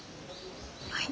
はい。